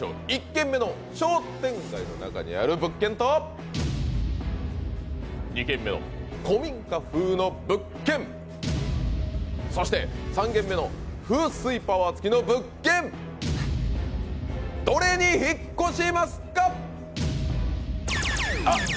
１軒目の商店街にある物件と２軒目の古民家風の物件、３軒目の風水パワーつき物件、どれに引っ越しますか。